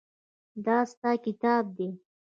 دا ستا کتاب دی.